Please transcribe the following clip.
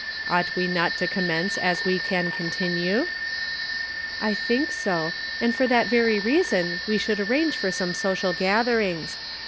Ought we not to commence as we can con tinue ?"" I think so ; and for that very reason we should arrange for some social gatherings.